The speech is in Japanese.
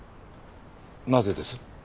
なぜです？